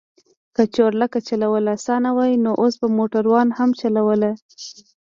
که چورلکه چلول اسانه وای نو اوس به موټروان هم چلوله.